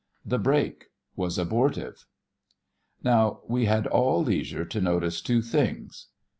The "break" was abortive. Now we all had leisure to notice two things.